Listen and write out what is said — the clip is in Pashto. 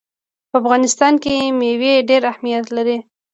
په افغانستان کې مېوې ډېر اهمیت لري.